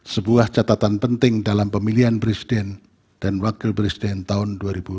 sebuah catatan penting dalam pemilihan presiden dan wakil presiden tahun dua ribu dua puluh